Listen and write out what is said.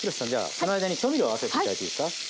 その間に調味料を合わせて頂いていいですか。